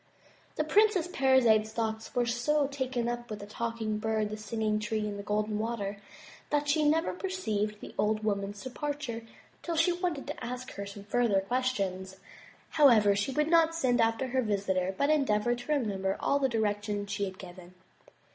The Princess Parizade's thoughts were so taken up with the Talking Bird, the Singing Tree, and the Golden Water, that she never perceived the old woman's departure, till she wanted to 60 THE TREASURE CHEST ask her some further questions. However, she would not send after her visitor, but endeavored to remember all the directions she had given.